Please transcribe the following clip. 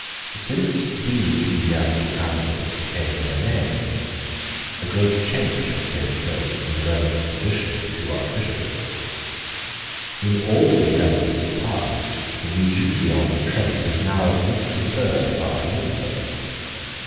Since these ecclesiastical councils became mere names, a great change has taken place in the relative position of the two Archbishoprics. In all the elements of power, the region beyond Trent is now at least a third part of England.